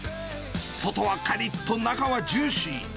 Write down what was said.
外はかりっと中はジューシー。